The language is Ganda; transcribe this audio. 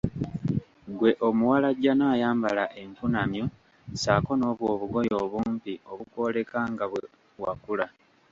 Ggwe omuwalajjana ayambala enkunamyo ssaako nobwo obugoye obumpi obukwoleka nga bwe wakula.